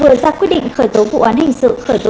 vừa ra quyết định khởi tố vụ án hình sự